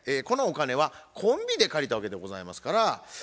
このお金はコンビで借りたわけでございますから。